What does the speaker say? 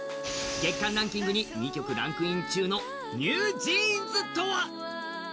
月間ランキングに２曲ランクイン中のＮｅｗＪｅａｎｓとは？